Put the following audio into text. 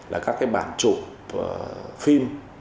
là các bản chụp phim